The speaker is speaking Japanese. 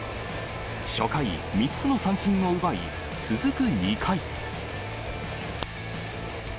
初回、３つの三振を奪い、続く２回。